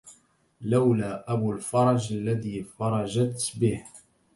لولا أبو الفرج الذي فرجت به